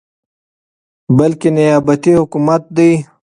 بلكې نيابتي حكومت دى ،